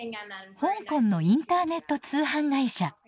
香港のインターネット通販会社。